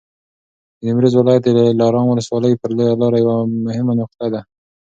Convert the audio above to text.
د نیمروز ولایت دلارام ولسوالي پر لویه لاره یوه مهمه نقطه ده.